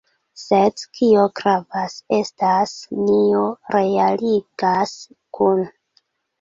Sed kio gravas, estas kion ni realigas kune.